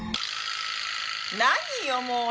何よもう！